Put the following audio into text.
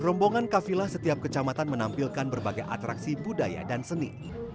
rombongan kafilah setiap kecamatan menampilkan berbagai atraksi budaya dan seni